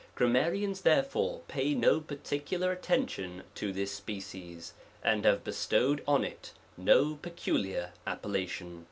Grammarians therefore pay no parti* cular attention to this species, and have bestowed on it no peculiar appellation.